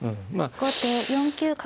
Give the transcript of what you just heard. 後手４九角成。